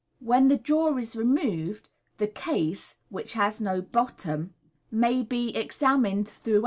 When the drawer is removed, the case, which has no bottom, may be examined through 196 MODERN MAGIC.